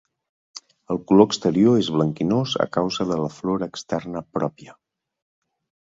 El color exterior és blanquinós a causa de la flora externa pròpia.